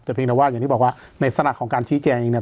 แต่เพียงแต่ว่าอย่างที่บอกว่าในลักษณะของการชี้แจงเองเนี่ย